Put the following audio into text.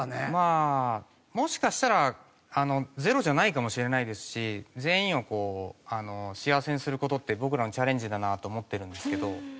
もしかしたら０じゃないかもしれないですし全員を幸せにする事って僕らのチャレンジだなと思ってるんですけど。